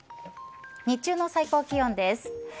日中の最高気温です。